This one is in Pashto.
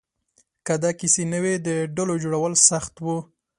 که داسې کیسې نه وې، د ډلو جوړول سخت وو.